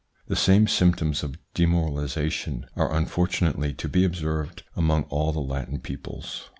The same symptoms of demoralisation are unfortunately to be observed among all the Latin peoples.